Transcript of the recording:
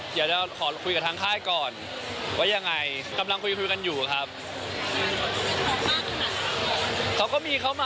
เดี๋ยวเดี๋ยวขอคุยกับทางค่ายก่อนว่าอย่างไร